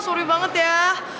sorry banget ya